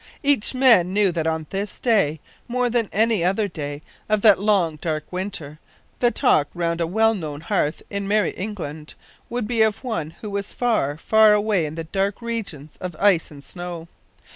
Each man knew that on this day, more than any other day of that long, dark winter, the talk round a well known hearth in Merry England would be of one who was far, far away in the dark regions of ice and snow.